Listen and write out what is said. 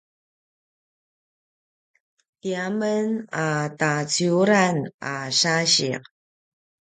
tiamen a taciuran a sasiq